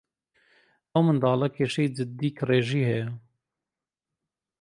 ئەو مناڵە کێشەی جددی کڕێژی ھەیە.